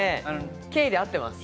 Ｋであってます。